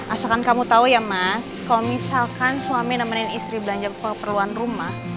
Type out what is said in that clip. asalkan kamu tahu ya mas kalau misalkan suami nemenin istri belanja keperluan rumah